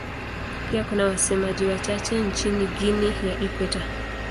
Pia kuna wasemaji wachache nchini Guinea ya Ikweta.